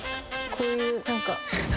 こういう何か。